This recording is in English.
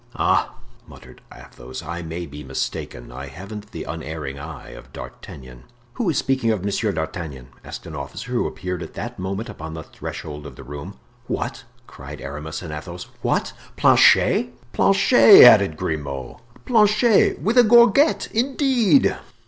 "Ah!" muttered Athos, "I may be mistaken, I haven't the unerring eye of D'Artagnan." "Who is speaking of Monsieur D'Artagnan?" asked an officer who appeared at that moment upon the threshold of the room. "What!" cried Aramis and Athos, "what! Planchet!" "Planchet," added Grimaud; "Planchet, with a gorget, indeed!"